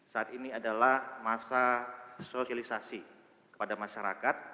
saat ini adalah masa sosialisasi kepada masyarakat